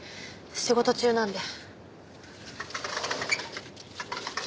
仕事中なんで。